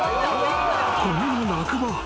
［こんな落馬］